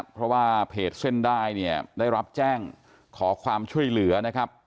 เพราะว่าเพจเส้นได้เนี่ยได้รับแจ้งขอความช่วยเหลือนะครับ